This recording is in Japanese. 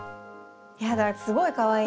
やだすごいかわいい。